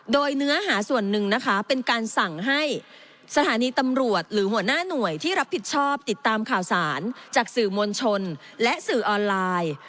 โดยเนื้อหาส่วนหนึ่งนะคะเป็นการสั่งให้สถานีตำรวจหรือหัวหน้าหน่วยที่รับผิดชอบติดตามข่าวสารจากสื่อมวลชนและสื่อออนไลน์